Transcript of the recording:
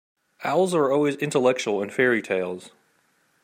Owls are always intellectual in fairy-tales.